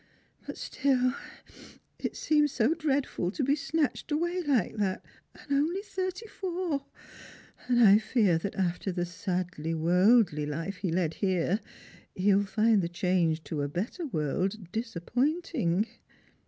But still it seems so dreadful to be snatched away like that, and only thirty four ; and I fear that after the sadly worldly life he led here he'll find the change to a better •world disappointing."